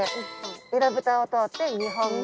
えらぶたを通って２本目。